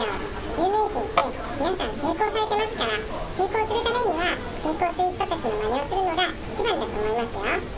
有名人って、皆さん、成功されてますから、成功するためには、成功する人たちのまねをするのが一番だと思いますよ。